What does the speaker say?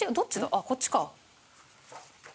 あっこっちか。